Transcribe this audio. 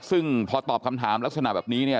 ซึ่งพอตอบคำถามลักษณะแบบนี้เนี่ย